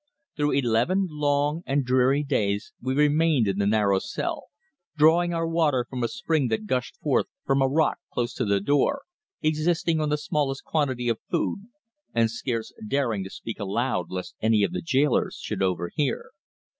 Through eleven long and dreary days we remained in the narrow cell, drawing our water from a spring that gushed forth from a rock close to the door, existing on the smallest quantity of food, and scarce daring to speak aloud lest any of the gaolers should overhear.